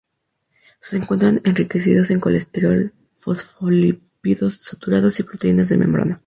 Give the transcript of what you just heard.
Se encuentran enriquecidos en colesterol, fosfolípidos saturados y proteínas de membrana.